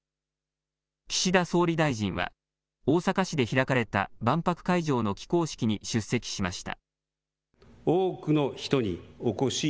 岸田総理大臣は、大阪市で開かれた万博会場の起工式に出席しました。